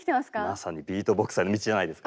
まさにビートボクサーへの道じゃないですか。